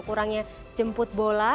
kurangnya jemput bola